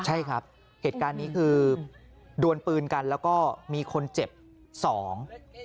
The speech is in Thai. ใช่ครับเหตุการณ์นี้คือดวนปืนกันแล้วก็มีคนเจ็บสอง